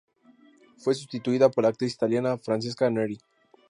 Fue sustituida por la actriz italiana Francesca Neri.